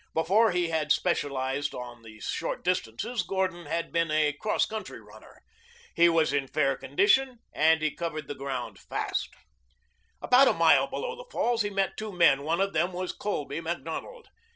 Before he had specialized on the short distances Gordon had been a cross country runner. He was in fair condition and he covered the ground fast. About a mile below the falls he met two men. One of them was Colby Macdonald.